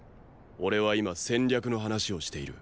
俺は今戦略の話をしている。？